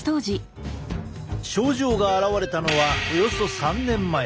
症状が現れたのはおよそ３年前。